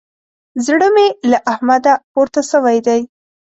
زړه مې له احمده پورته سوی دی.